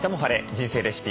人生レシピ」